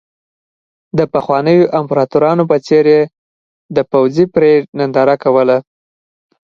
د پخوانیو امپراتورانو په څېر یې د پوځي پرېډ ننداره کوله.